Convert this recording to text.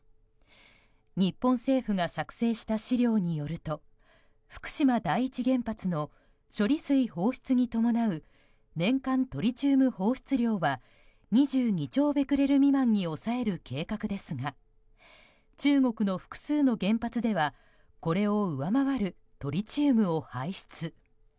日本政府が作成した資料によると福島第一原発の処理水放出に伴う年間トリチウム放出量は２２兆ベクレル未満に抑える計画ですが中国の複数の原発ではこれを上回るトリチウムを排出。